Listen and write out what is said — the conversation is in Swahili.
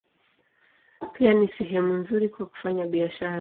Pia ni sehemu nzuri kwa kufanya biashara.